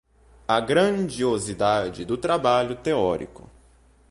a grandiosidade do trabalho teórico